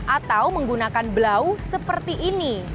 atau menggunakan blau seperti ini